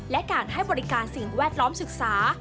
และการให้บริการสิ่งแวดล้อมศึกษา